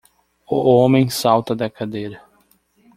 O homem salta da cadeira.